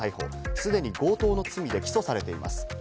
すでに強盗の罪で起訴されています。